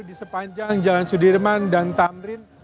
di sepanjang jalan sudirman dan tamrin